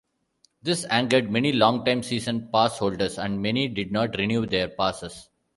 This angered many long-time season pass holders and many did not renew their passes.